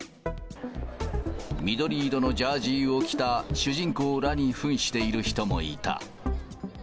緑色のジャージを着た、主人公らにふんしている人もいた。